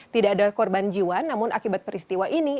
tidak ada korban jiwa namun akibat peristiwa ini